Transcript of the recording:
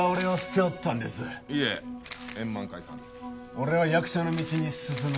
「俺は役者の道に進む」